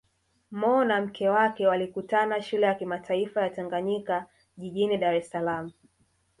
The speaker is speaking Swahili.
Mo na mke wake walikutana Shule ya Kimataifa ya Tanganyika jijini Dar es Salaam